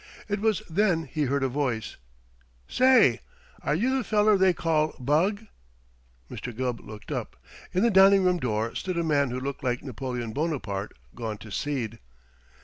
It was then he heard a voice: "Say, are you the feller they call Bugg?" Mr. Gubb looked up. In the dining room door stood a man who looked like Napoleon Bonaparte gone to seed.